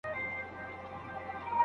باد خپل کار کوي.